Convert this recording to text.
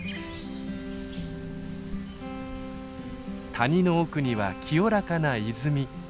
谷の奥には清らかな泉。